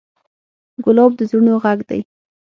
ګلاب د زړونو غږ دی.